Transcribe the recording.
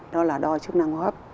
đó là đo chức năng hấp